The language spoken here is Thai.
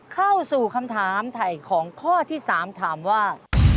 เข้าสู่คำถามไถ่ของข้อที่๓ถามว่า